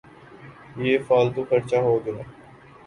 یہ فالتو خرچہ ہو گیا۔